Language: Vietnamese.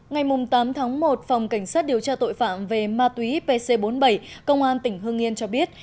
ngày tám tháng một phòng cảnh sát điều tra tội phạm về ma túy pc bốn mươi bảy công an tỉnh hương yên cho biết